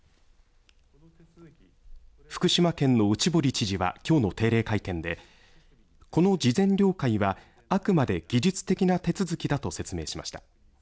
福島県の内堀知事はきょうの定例会見でこの事前了解は、あくまで技術的な手続きだと説明しました。